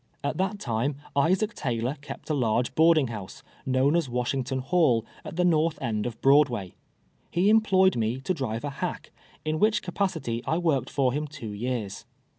At that time Isaac Taylor kept a large boarding house, kno"s\'n as Washington Hall, at the north end of Broadway. He employed me to drive a hack, in which capacity I worked for him two years.